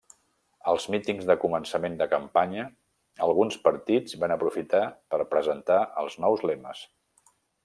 Als mítings de començament de campanya alguns partits van aprofitar per presentar els nous lemes.